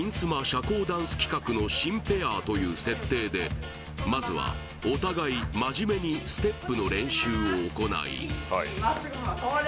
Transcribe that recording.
社交ダンス企画の新ペアという設定でまずはお互い真面目にステップの練習を行い